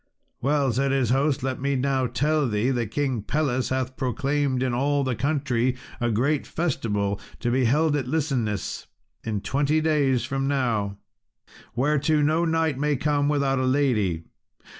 "Well," said his host, "let me now tell thee that King Pelles hath proclaimed in all the country a great festival, to be held at Listeniss, in twenty days from now, whereto no knight may come without a lady.